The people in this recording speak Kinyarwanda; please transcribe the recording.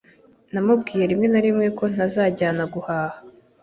Namubwiye rimwe na rimwe ko ntazajyana guhaha.